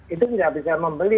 itu tidak bisa membeli